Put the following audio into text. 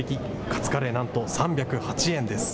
カツカレー、なんと３０８円です。